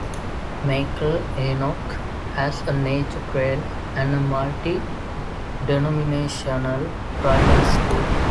Meikle Earnock has a nature trail, and a multi-denominational Primary school.